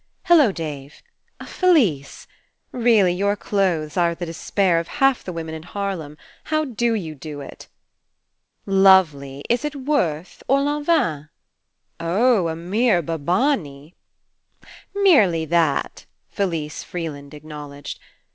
''Hello, Dave. ... Felise. ... Really your clothes are the despair of half the women in Harlem. ... How do you do it? ... Lovely, is it Worth or Lanvin? ... Oh, a mere Babani. ..." "Merely that," Felise Freeland ac 167 PASSING knowledged.